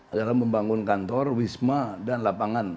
adalah membangun kantor wisma dan lapangan